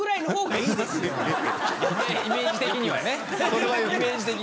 イメージ的にはね。